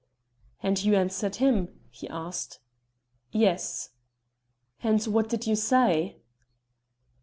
"And you answered him?" he asked. "Yes." "And what did you say?"